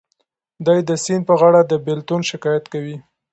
دی د سیند په غاړه د بېلتون شکایت کوي.